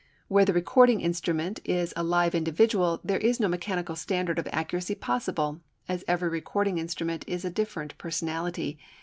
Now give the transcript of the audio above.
Where the recording instrument is a live individual, there is no mechanical standard of accuracy possible, as every recording instrument is a different personality.